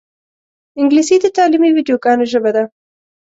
انګلیسي د تعلیمي ویدیوګانو ژبه ده